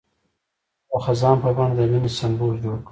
هغه د خزان په بڼه د مینې سمبول جوړ کړ.